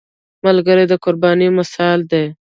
ملګری د قربانۍ مثال دی